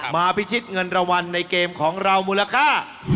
พิชิตเงินรางวัลในเกมของเรามูลค่า